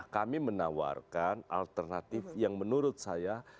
kami menawarkan alternatif yang menurut saya